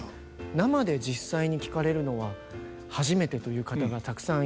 生で実際に聴かれるのは初めてという方がたくさんいらっしゃって。